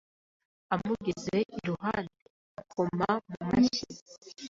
Amugeze iruhande akoma mu mashyi,